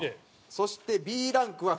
そしてＢランクは２人ね。